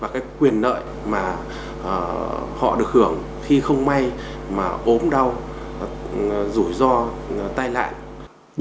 vốn là quyền lợi là quyền lợi mà họ được hưởng khi không may mà ốm đau rủi ro tai lạng